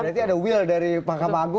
berarti ada will dari mahkamah agung